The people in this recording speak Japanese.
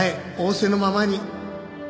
仰せのままに」